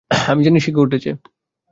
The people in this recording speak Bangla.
আমি জানি কী ঘটেছে।